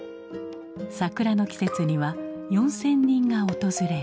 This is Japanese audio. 桜の季節には４，０００人が訪れる。